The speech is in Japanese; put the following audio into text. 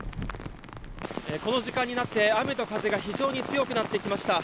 この時間になって雨と風が非常に強くなってきました。